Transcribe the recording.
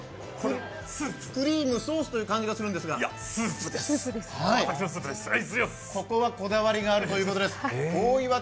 クリームスープという感じがするんですが、ここはこだわりがあるという感じがします。